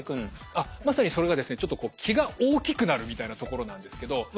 あっまさにそれがですねちょっと気が大きくなるみたいなところなんですけど。